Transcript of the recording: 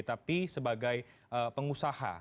tapi sebagai pengusaha